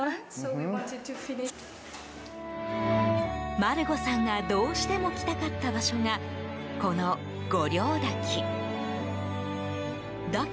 マルゴさんがどうしても来たかった場所がこの五両ダキ。